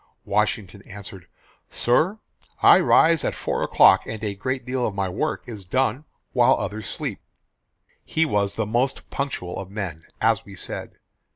Washington answered, "Sir, I rise at four o'clock, and a great deal of my work is done while others sleep." He was the most punctual of men, as we said.